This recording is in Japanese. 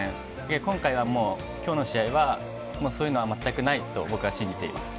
今回はもう、きょうの試合は、そういうのは全くないと僕は信じています。